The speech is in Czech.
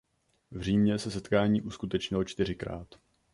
V Římě se setkání uskutečnilo čtyřikrát.